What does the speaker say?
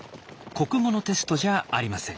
国語のテストじゃありません。